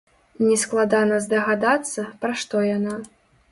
Нескладана здагадацца, пра што яна.